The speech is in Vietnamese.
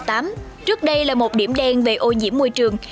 trước đây là một điểm đen về ô nhiễm môi trường